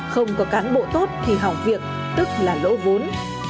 không có cán bộ tốt thì học việc tức là lỗ vốn